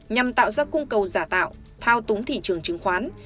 nhằm tạo ra cung cầu giả tạo thao túng thị trường chứng khoán